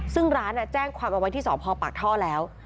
ซึ่งร้านแจ้งความเอาไว้ที่สพปากท่อแล้ว